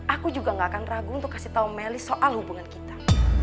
aku juga gak akan ragu untuk kasih tahu melis soal hubungan kita